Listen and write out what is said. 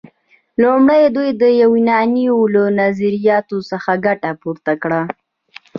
لومړی دوی د یونانیانو له نظریاتو څخه ګټه پورته کړه.